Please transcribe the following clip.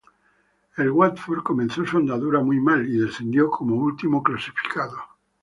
El Watford comenzó su andadura muy mal, y descendió como último clasificado.